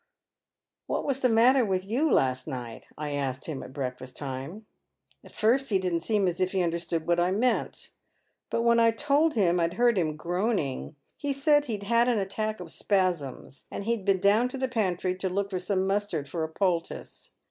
' What was the matter with j'ou last night ?' I asked him at breakfast time. At first he didn't seem as if he under stood what I meant, but when I told him I'd heard him groaning, he said he'd had an attack of spasms, and he'd been down to the pantry to look for some mustard for a poultice.